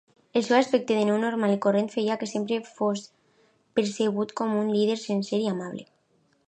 El seu aspecte de noi normal i corrent feia que sempre fos percebut com un líder sincer i amable.